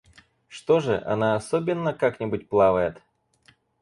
Что же, она особенно как-нибудь плавает?